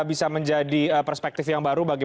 bisa menjadi perspektif yang baru bagi